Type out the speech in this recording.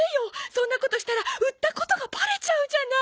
そんなことしたら売ったことがバレちゃうじゃない！